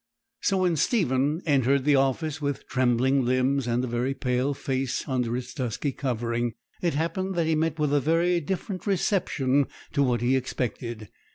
So when Stephen entered the office with trembling limbs and a very pale face under its dusky covering, it happened that he met with a very different reception to what he expected.